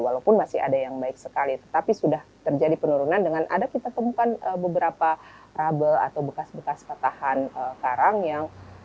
walaupun masih ada yang baik sekali tetapi sudah terjadi penurunan dengan ada kita temukan beberapa rubel atau bekas bekas patahan karang yang